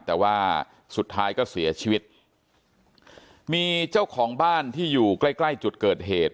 แต่ว่าสุดท้ายก็เสียชีวิตมีเจ้าของบ้านที่อยู่ใกล้ใกล้จุดเกิดเหตุ